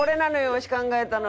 わし考えたの。